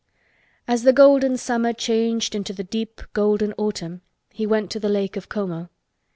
As the golden summer changed into the deep golden autumn he went to the Lake of Como.